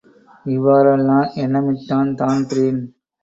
இவ்வாறெல்லாம் எண்ணமிட்டான் தான்பிரீன்.